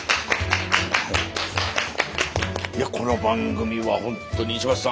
いやこの番組は本当に石橋さん。